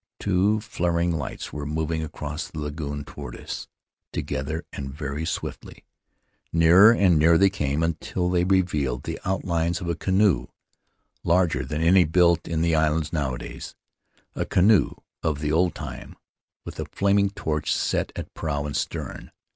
Two flaring lights were mov ing across the lagoon toward us — together and very swiftly. Nearer and nearer they came, until they revealed the outlines of a canoe larger than any built in the islands nowadays — a canoe of the old time, with a flaming torch set at prow and stern.